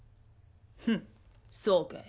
フンそうかい。